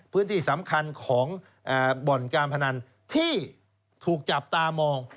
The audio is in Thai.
พื้นที่สำคัญของบ่อนการพนันที่ถูกจับตามอง